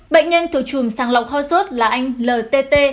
bệnh nhân thổ chùm sàng lọc ho sốt là anh ltt